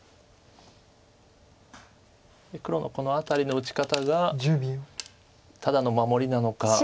黒のこの辺りの打ち方がただの守りなのか。